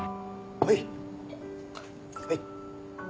はい。